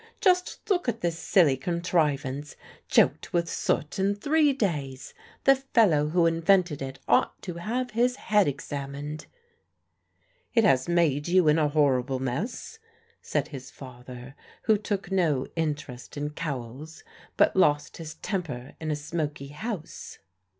... Just look at this silly contrivance choked with soot in three days! The fellow who invented it ought to have his head examined." "It has made you in a horrible mess," said his father, who took no interest in cowls, but lost his temper in a smoky house.